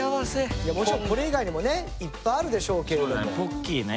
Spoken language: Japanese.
いやもちろんこれ以外にもねいっぱいあるでしょうけれども。ポッキーね。